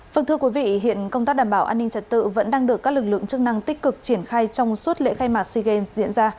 vâng thưa quý vị hiện công tác đảm bảo an ninh trật tự vẫn đang được các lực lượng chức năng tích cực triển khai trong suốt lễ khai mạc sea games diễn ra